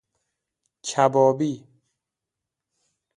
کبابی